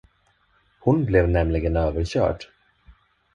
Hon blev nämligen överkörd.